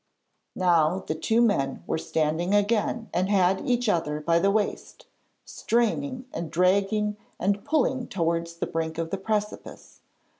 Now the two men were standing again and had each other by the waist, straining and dragging and pulling towards the brink of the precipice.